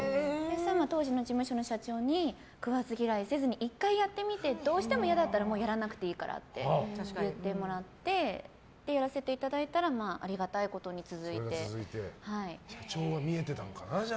当時の事務所の社長に食わず嫌いせずに１回やってみてどうしても嫌だったらもうやらなくていいからって言ってもらってやらせていただいたら社長は見えてたのかな。